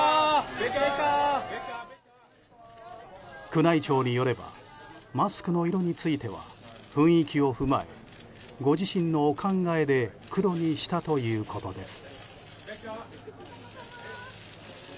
宮内庁によればマスクの色については雰囲気を踏まえご自身のお考えで黒にしたということです。